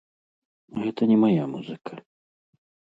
Гэта не мая музыка.